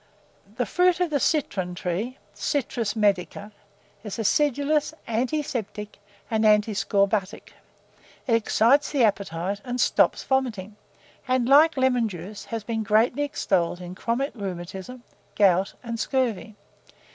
The fruit of the citron tree (Citrus medica) is acidulous, antiseptic, and antiscorbutic: it excites the appetite, and stops vomiting, and, like lemon juice, has been greatly extolled in chronic rheumatism, gout, and scurvy.